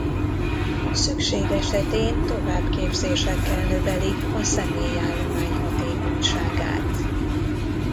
Szükség esetén továbbképzésekkel növelik a személyi állomány hatékonyságát.